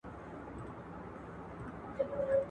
وئېل ئې دغه ټول علامتونه د باران دي